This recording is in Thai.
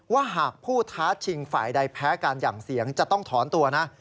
หากผู้ท้าชิงฝ่ายใดแพ้การหยั่งเสียงจะต้องถอนตัวนะ